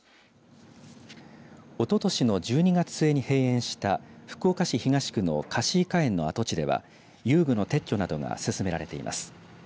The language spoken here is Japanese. おととしの１２月末に閉園した福岡市東区のかしいかえんの跡地では遊具の撤去などが進められています。